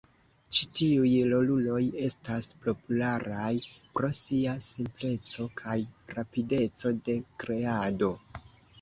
Ĉi tiuj roluloj estas popularaj pro sia simpleco kaj rapideco de kreado.